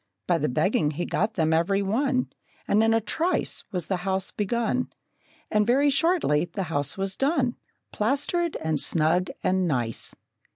By the begging he got them every one, And in a trice Was the house begun, And very shortly the house was done, Plastered and snug and nice.